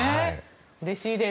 うれしいです。